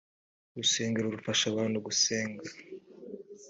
urusengero rufasha abantu gusenga.